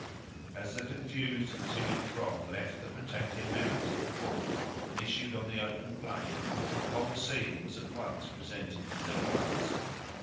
As the confused and timid throng left the protecting mounds of the fort, and issued on the open plain, the whole scene was at once presented to their eyes.